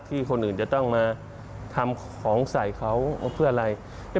คนอื่นจะต้องมาทำของใส่เขาเพื่ออะไร